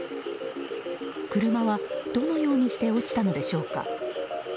車はどのようにして落ちたのでしょうか。